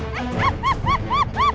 mbak mbak mbak